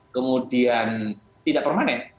kemudian tidak permanen